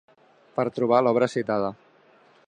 Per trobar l'obra citada.